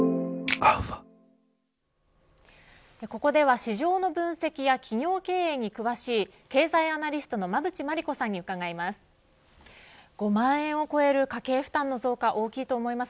ここでは市場の分析や企業経営に詳しい経済アナリストの馬渕磨理子さんに伺います。